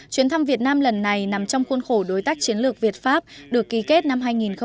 chuyến thăm việt nam lần này nằm trong khuôn khổ đối tác chiến lược việt pháp được ký kết năm hai nghìn một mươi ba